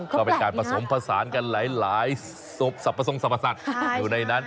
เป็นการผสมผสานกับหลายสมผสมสัตว์นั้น